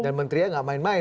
dan menteri ya tidak main main